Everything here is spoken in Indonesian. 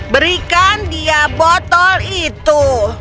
berikan dia botol itu